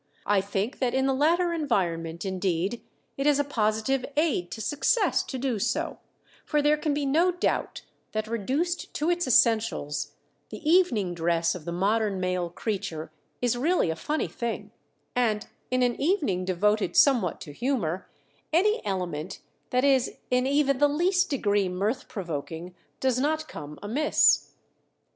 I think that in the latter environment indeed it is a positive aid to success to do so; for there can be no doubt that reduced to its essentials the evening dress of the modern male creature is really a funny thing, and in an evening devoted somewhat to humor any element that is in even the least degree mirth provoking does not come amiss.